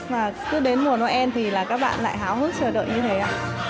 và cứ đến mùa noel thì các bạn lại háo hức chờ đợi như thế ạ